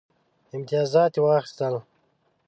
امتیازات یې واخیستل.